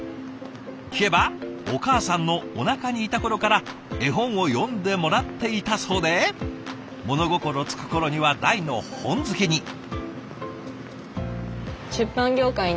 聞けばお母さんのおなかにいた頃から絵本を読んでもらっていたそうで物心つく頃には大の本好きに。